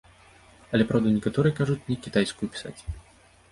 Але, праўда, некаторыя кажуць мне кітайскую пісаць.